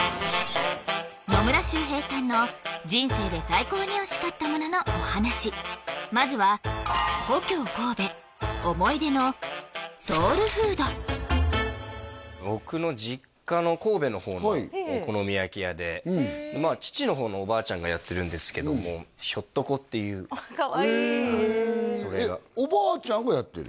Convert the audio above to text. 野村周平さんの人生で最高においしかったもののお話まずは僕の父の方のおばあちゃんがやってるんですけどもひょっとこっていうへええっおばあちゃんがやってる？